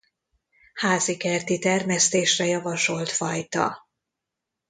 Házi-kerti termesztésre javasolt fajta.